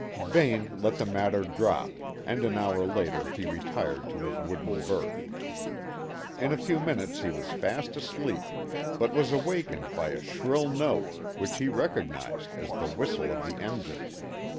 Vane let the matter drop, and an hour later he retired to his wooden berth. In a few minutes he was fast asleep, but was awakened by a shrill note, which he recognised as the whistle of the engine.